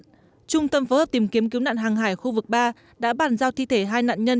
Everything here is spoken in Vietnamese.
trung tâm phối hợp tìm kiếm cứu nạn hàng hải khu vực ba đã bàn giao thi thể hai nạn nhân